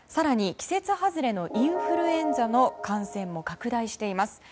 季節外れのインフルエンザの感染も拡大しています。